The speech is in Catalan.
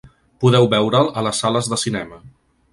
Podeu veure’l a les sales de cinema.